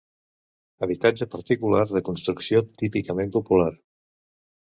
Habitatge particular de construcció típicament popular.